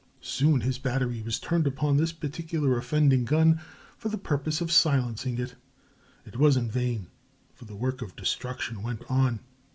Soon his battery was turned upon this particular offending gun for the purpose of silencing it. It was in vain, for the work of destruction went on.